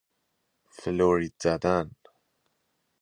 فلورید زدن